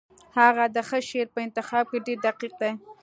هغه د ښه شعر په انتخاب کې ډېر دقیق دی